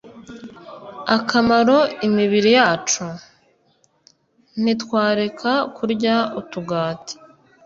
akamaro imibiri yacu? Ntitwareka kurya utugati